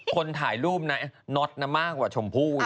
คนถ่ายรูปนะน็อตนะมากกว่าชมพู่